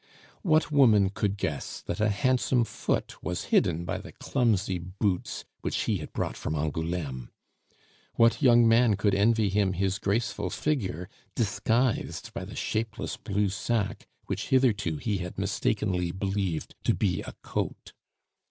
What woman could guess that a handsome foot was hidden by the clumsy boots which he had brought from Angouleme? What young man could envy him his graceful figure, disguised by the shapeless blue sack which hitherto he had mistakenly believed to be a coat?